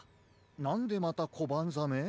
なんでまたコバンザメ？